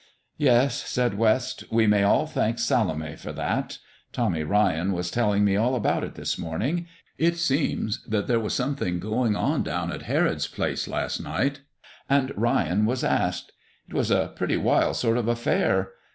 "Yes," said West, "we may all thank Salome for that. Tommy Ryan was telling me all about it this morning. It seems that there was something going on down at Herod's place last night, and Ryan was asked. It was a pretty wild sort of affair.